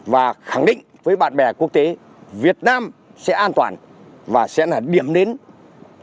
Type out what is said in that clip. và khẳng định với bạn bè quốc tế việt nam sẽ an toàn và sẽ là điểm đến an toàn của tất cả các bạn